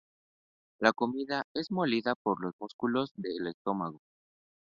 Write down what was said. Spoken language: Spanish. La comida es molida por los músculos del estómago.